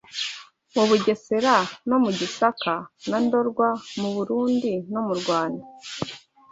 Mu Bugesera no mu Gisaka na Ndorwa, mu Burundi no mu Rwanda